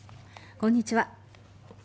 こんにちは。